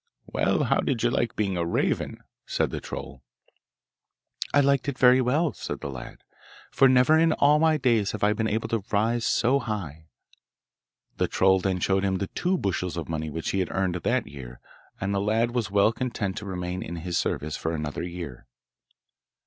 'Well, how did you like being a raven?' said the troll. 'I liked it very well,' said the lad, 'for never in all my days have I been able to rise so high.' The troll then showed him the two bushels of money which he had earned that year, and the lad was well content to remain in his service for another year.